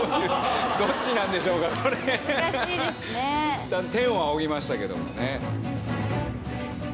いったん天を仰ぎましたけどもね。